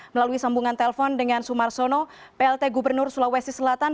melalui sambungan telpon dengan sumarsono plt gubernur sulawesi selatan